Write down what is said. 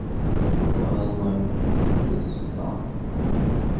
কৌতূহল নয়, লিপ্সা।